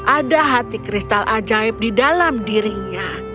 ada hati kristal ajaib di dalam dirinya